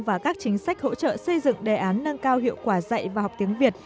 và các chính sách hỗ trợ xây dựng đề án nâng cao hiệu quả dạy và học tiếng việt